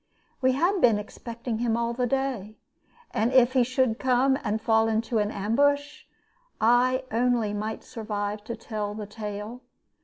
We had been expecting him all the day; and if he should come and fall into an ambush, I only might survive to tell the tale.